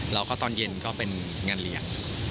แล้วก็ตอนเย็นก็เป็นงานเลี้ยง